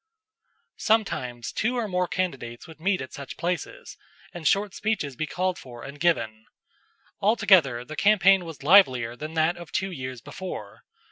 Sometimes two or more candidates would meet at such places, and short speeches be called for and given. Altogether, the campaign was livelier than that of two years before.